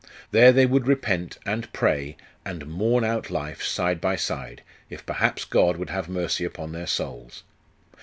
There they would repent, and pray, and mourn out life side by side, if perhaps God would have mercy upon their souls.